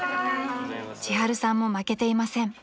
［ちはるさんも負けていません］